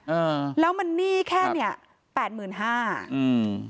เออแล้วมันหนี้แค่เนี้ยแปดหมื่นห้าอืม